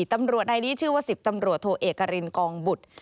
ตำรวจนายนี้ชื่อว่า๑๐ตำรวจโทเอกรินกองบุตร